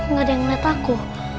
gak ada yang ngeliat aku